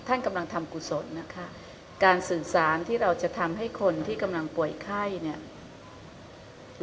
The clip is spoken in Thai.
กำลังทำกุศลนะคะการสื่อสารที่เราจะทำให้คนที่กำลังป่วยไข้เนี่ย